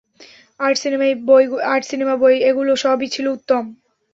Art, cinema, বই এগুলো সবই ছিল উত্তম!